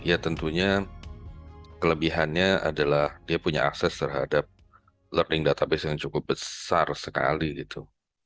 ya tentunya kelebihannya adalah dia punya akses terhadap learning database yang cukup besar sekali gitu